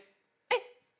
えっ？